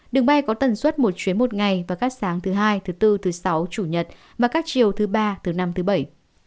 đường bay có tần suất một chuyến một ngày vào các sáng thứ hai thứ bốn thứ sáu chủ nhật và các chiều thứ ba thứ năm thứ bảy